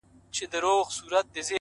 هره هڅه د بریا پر لور ګام دی،